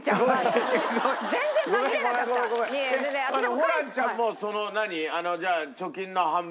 ホランちゃんもその何？